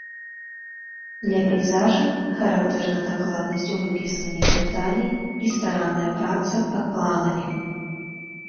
Для пейзажа характэрна дакладнасць у выпісванні дэталей і старанная праца пад планамі.